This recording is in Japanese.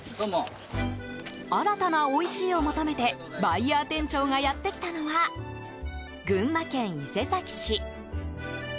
新たなおいしいを求めてバイヤー店長がやってきたのは群馬県伊勢崎市。